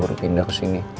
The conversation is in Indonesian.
baru pindah ke sini